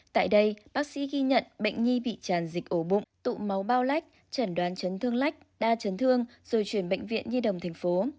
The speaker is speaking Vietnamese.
tại đây bác sĩ ghi nhận bệnh nhi bị tràn dịch ổ bụng tụ máu bao lách trần đoán chấn thương lách đa chấn thương rồi chuyển bệnh viện nhi đồng tp